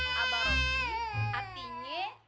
cuman buat aku kaget